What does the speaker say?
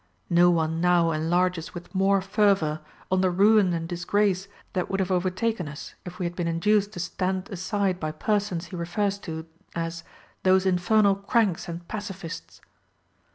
No one now enlarges with more fervour on the ruin and disgrace that would have overtaken us if we had been induced to stand aside by persons he refers to as "those infernal cranks and pacifists."